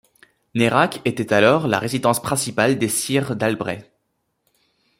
Nérac était alors la résidence principale des sires d'Albret.